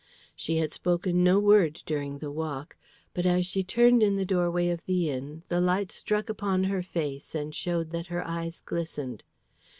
She had spoken no word during the walk, but as she turned in the doorway of the inn, the light struck upon her face and showed that her eyes glistened.